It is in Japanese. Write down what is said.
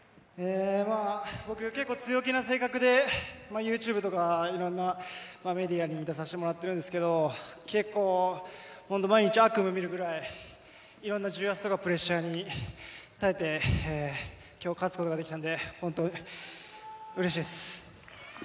僕、結構、強気な性格でＹｏｕＴｕｂｅとかいろんなメディアに出させてもらってますが結構、毎日悪夢を見るぐらいいろんな重圧とかプレッシャーに耐えて今日、勝つことができたので本当にうれしいです。